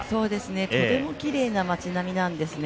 とてもきれいな街並みなんですね。